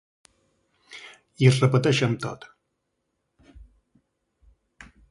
I es repeteix amb tot.